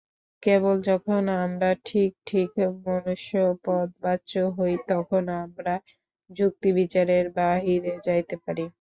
কেবল যখন আমরা ঠিক ঠিক মনুষ্যপদবাচ্য হই, তখন আমরা যুক্তি-বিচারের বাহিরে যাইতে পারি।